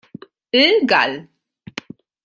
Eau Galle